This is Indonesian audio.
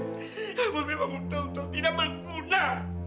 aku memang tahu tahu tidak berguna